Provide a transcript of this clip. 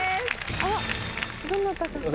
あらどなたかしら。